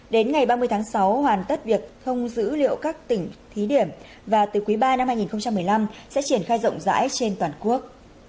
đến ngày ba mươi tháng sáu hoàn tất việc thông dữ liệu các tỉnh thí điểm và từ quý ba năm hai nghìn một mươi năm sẽ triển khai rộng rãi trên toàn quốc